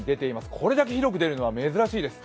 これだけ広くでるのは珍しいです。